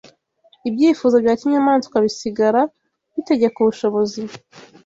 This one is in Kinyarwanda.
ibyifuzo bya kinyamaswa bisigara bitegeka ubushobozi